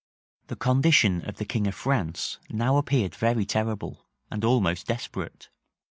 The condition of the king of France now appeared very terrible, and almost desperate.